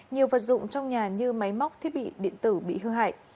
nhiều vật dụng trong nhà như máy móc thiết bị điện tử bị hư hại